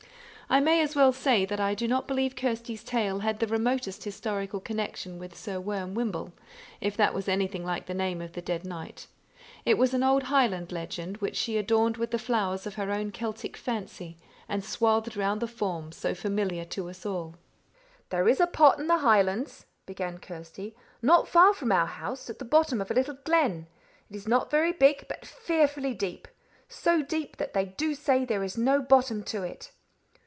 I may as well say that I do not believe Kirsty's tale had the remotest historical connection with Sir Worm Wymble, if that was anything like the name of the dead knight. It was an old Highland legend, which she adorned with the flowers of her own Celtic fancy, and swathed around the form so familiar to us all. "There is a pot in the Highlands," began Kirsty, "not far from our house, at the bottom of a little glen. It is not very big, but fearfully deep; so deep that they do say there is no bottom to it."